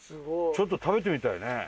ちょっと食べてみたいね。